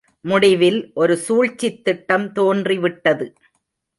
முடிவில் ஒரு சூழ்ச்சித் திட்டம் தோன்றி விட்டது.